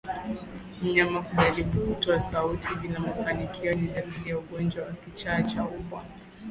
Mnyama kujaribu kutoa sauti bila mafanikio ni dalili ya ugonjwa wa kichaa cha mbwa